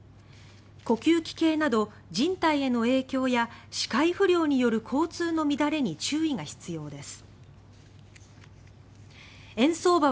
呼吸器系など人体への影響や視界不良による交通の乱れに注意が必要です。